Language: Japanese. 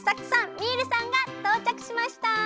ミールさんがとうちゃくしました！